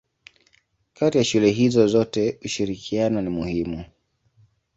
Kati ya shule hizo zote ushirikiano ni muhimu.